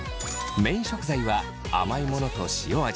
メイン食材は甘いものと塩味。